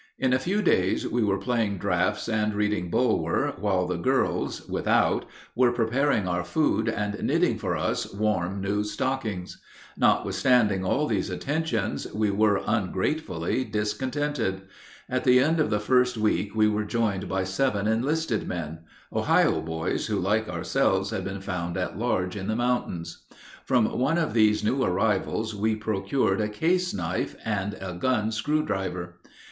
In a few days we were playing draughts and reading Bulwer, while the girls, without, were preparing our food and knitting for us warm new stockings. Notwithstanding all these attentions, we were ungratefully discontented. At the end of the first week we were joined by seven enlisted men, Ohio boys, who like ourselves had been found at large in the mountains. From one of these new arrivals we procured a case knife and a gun screw driver.